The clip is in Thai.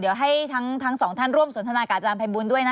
เดี๋ยวให้ทั้งสองท่านร่วมสนทนากับอาจารย์ภัยบูลด้วยนะ